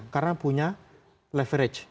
karena punya leverage